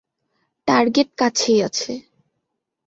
Target কাছেই আছে।